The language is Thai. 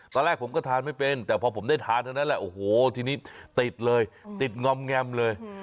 ตอนแรกผมก็ทานไม่เป็นแต่พอผมได้ทานเท่านั้นแหละโอ้โหทีนี้ติดเลยติดงอมแงมเลย